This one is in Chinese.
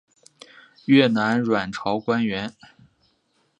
越南阮朝官员。